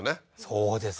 そうですね